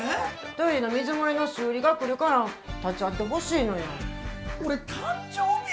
トイレの水漏れの修理が来るから、立ち会ってほしいのよ。